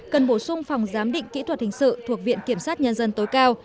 cần bổ sung phòng giám định kỹ thuật hình sự thuộc viện kiểm sát nhân dân tối cao